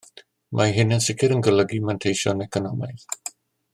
Mae hyn yn sicr yn golygu manteision economaidd